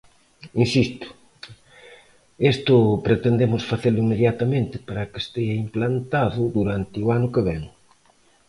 Insisto: isto pretendemos facelo inmediatamente para que estea implantado durante o ano que vén.